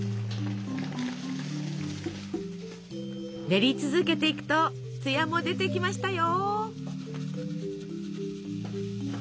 練り続けていくとつやも出てきましたよ。